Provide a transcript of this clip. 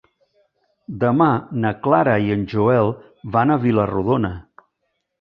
Demà na Clara i en Joel van a Vila-rodona.